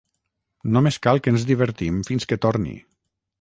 Només cal que ens divertim fins que torni.